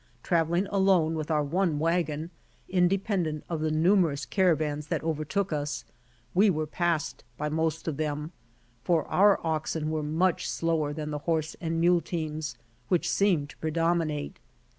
Traveling alone with our one wagon, independent of the numerous caravans that overtook us, we were passed by most of them, for our oxen were mucli slower than the horse and mule teams, which seemed to predominate.